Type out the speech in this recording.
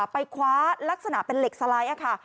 ไปคว้าลักษณะเป็นเหล็กสไลด์ค่ะ